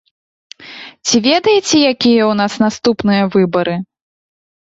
Ці ведаеце, якія ў нас наступныя выбары?